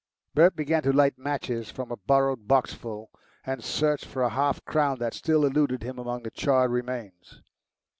Bert began to light matches from a borrowed boxful, and search for a half crown that still eluded him among the charred remains.